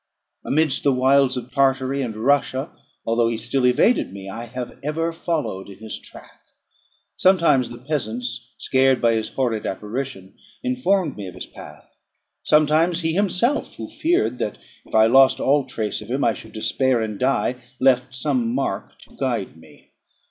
Amidst the wilds of Tartary and Russia, although he still evaded me, I have ever followed in his track. Sometimes the peasants, scared by this horrid apparition, informed me of his path; sometimes he himself, who feared that if I lost all trace of him, I should despair and die, left some mark to guide me.